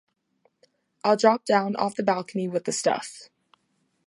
I'll drop down off the balcony with the stuff.